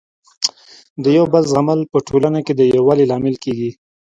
د یو بل زغمل په ټولنه کي د يووالي لامل کيږي.